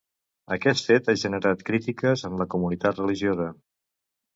Aquest fet ha generat crítiques en la comunitat religiosa.